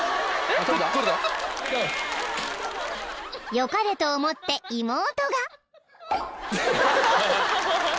［よかれと思って妹が］